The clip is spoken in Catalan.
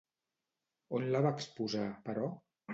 On la va exposar, però?